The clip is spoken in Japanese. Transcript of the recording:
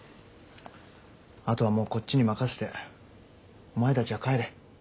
あとはもうこっちに任せてお前たちは帰れ。